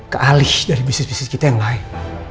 kealih dari bisnis bisnis kita yang lain